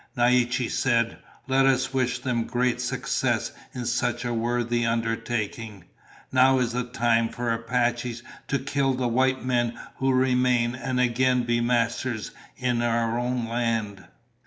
Naiche said, "Let us wish them great success in such a worthy undertaking. Now is the time for Apaches to kill the white men who remain and again be masters in our own land."